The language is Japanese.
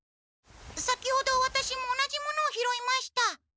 先ほどワタシも同じものをひろいました。